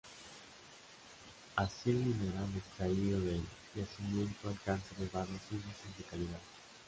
Así el mineral extraído del yacimiento alcance elevados índices de calidad.